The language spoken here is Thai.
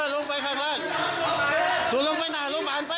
ลุงไปทางหน้าลูกบ้านลุงไปทางหน้าลูกบ้านเถอะ